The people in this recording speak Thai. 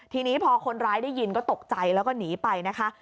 ทีนี้พอคนร้ายได้ยินก็ตกใจแล้วก็หนีไปนะคะ